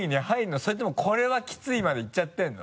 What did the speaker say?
それとも「これはキツイ」までいっちゃってるの？